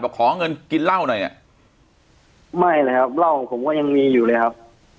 ขอเงินกินเหล้าหน่อยอ่ะไม่เลยครับเหล้าผมก็ยังมีอยู่เลยครับ